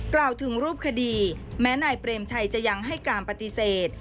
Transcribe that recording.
กล่าวถึงรูปคดีแม้นายเปรมชัยจะยังให้การปฏิเสธ